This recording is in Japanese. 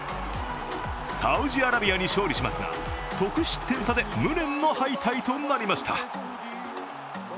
サウジアラビアに勝利しますが、得失点差で無念の敗退となりました。